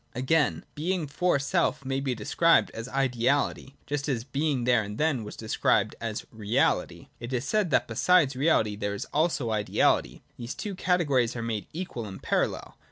— Again, Being for self may be described as ideality, just as Being there and then was described as realit y. / It is said, that besides reality there is also an ideality. Thus the two categories are made equal and parallel.